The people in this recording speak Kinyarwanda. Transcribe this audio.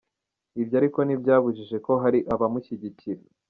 Ibyo ariko ntibyabujije ko hari abamushyigikira.